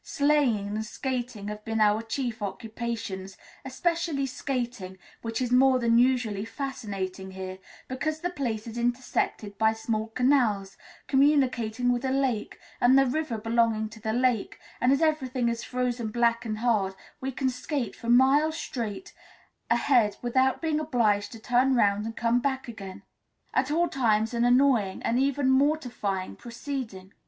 Sleighing and skating have been our chief occupation, especially skating, which is more than usually fascinating here, because the place is intersected by small canals communicating with a lake and the river belonging to the lake, and as everything is frozen black and hard, we can skate for miles straight ahead without being obliged to turn round and come back again, at all times an annoying, and even mortifying, proceeding.